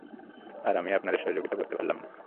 আর আমি আপনাদের সহযোগিতা করতে পারলাম না।